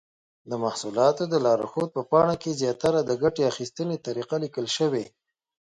د محصولاتو د لارښود په پاڼه کې زیاتره د ګټې اخیستنې طریقه لیکل شوې.